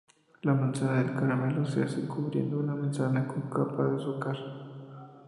La manzana del caramelo se hace cubriendo una manzana con una capa de azúcar.